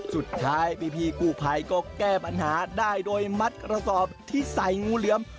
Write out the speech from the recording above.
สุดท้ายพี่กู้ภัยก็แก้ปัญหาได้โดยมัดกระสอบที่ใส่งูเหลือม